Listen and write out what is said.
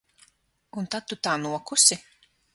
Un tad tu tā nokusi?